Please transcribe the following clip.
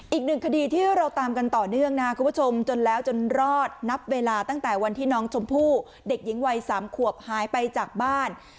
อีกหนึ่งคดีที่เราตามกันต่อเนื่องนะคุณผู้ชมจนแล้วจนรอดนับเวลาตั้งแต่วันที่น้องชมพู่เด็กหญิงวัย๓ขวบหายไปจากบ้าน